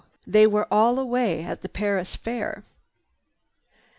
They were all away at the Paris Fair."